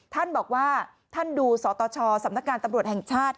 ท่านบอกว่าท่านดูสตชสำนักงานตำรวจแห่งชาติ